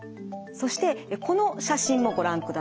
そしてこの写真もご覧ください。